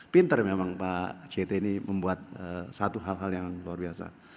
pinter memang pak jt ini membuat satu hal hal yang luar biasa